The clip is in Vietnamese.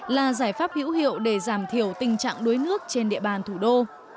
là giải pháp hữu hiệu để giảm thiểu tình trạng đuối nước trên địa bàn thủ đô